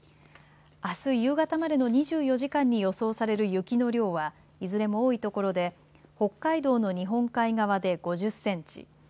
あす夕方までの２４時間に予想される雪の量はいずれも多い所で北海道の日本海側で５０センチ